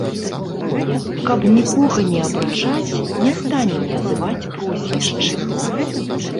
Каб нікога не абражаць, не станем называць прозвішчы.